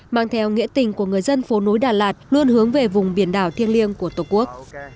mang theo nghĩa tình của người dân phố núi đà lạt luôn hướng về vùng biển đảo thiêng liêng của tổ quốc